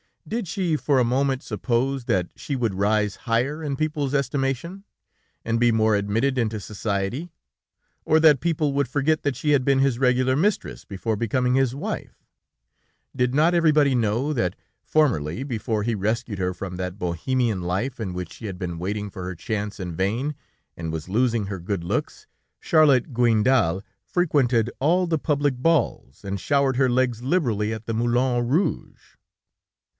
Did she for a moment suppose that she would rise higher in people's estimation, and be more admitted into society, or that people would forget that she had been his regular mistress before becoming his wife? Did not everybody know that formerly, before he rescued her from that Bohemian life in which she had been waiting for her chance in vain, and was losing her good looks, Charlotte Guindal frequented all the public balls, and showed her legs liberally at the Moulin Rouge. [Footnote 12: A café chantant, and casino.